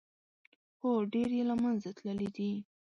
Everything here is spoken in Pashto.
خو ډېر یې له منځه تللي دي.